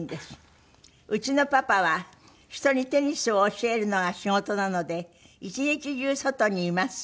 「うちのパパは人にテニスを教えるのが仕事なので１日中外にいます」